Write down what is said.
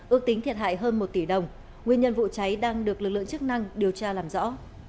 ước tính thiệt hại hơn một tỷ đồng nguyên nhân vụ cháy đang được lực lượng chức năng điều tra làm rõ